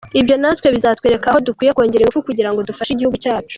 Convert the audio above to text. Ibyo natwe bizatwereka aho dukwiye kongera ingufu kugira ngo dufashe igihugu cyacu.